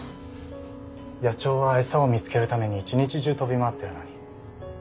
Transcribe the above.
野鳥は餌を見つけるために一日中飛び回っているのに。